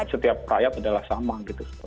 setiap rakyat adalah sama gitu